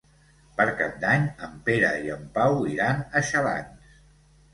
Per Cap d'Any en Pere i en Pau iran a Xalans.